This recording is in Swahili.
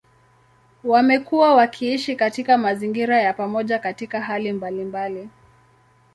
Wamekuwa wakiishi katika mazingira ya pamoja katika hali mbalimbali.